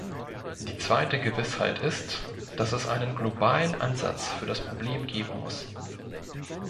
Die zweite Gewissheit ist, dass es einen globalen Ansatz für das Problem geben muss.